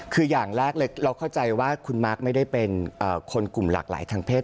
คืออย่างแรกเลยเราเข้าใจว่าคุณมาร์คไม่ได้เป็นคนกลุ่มหลากหลายทางเพศ